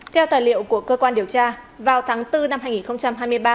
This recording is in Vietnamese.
theo tài liệu của cơ quan điều tra vào tháng bốn năm hai nghìn hai mươi ba